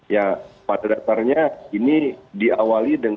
ya pada dasarnya ini diawali dengan